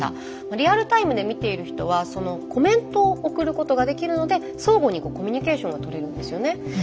リアルタイムで見ている人はそのコメントを送ることができるので相互にコミュニケーションが取れるんですよね。